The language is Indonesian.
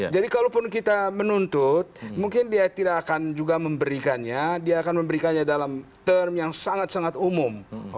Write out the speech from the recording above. jadi kalaupun kita menuntut mungkin dia tidak akan juga memberikannya dia akan memberikannya dalam term yang sangat sangat umum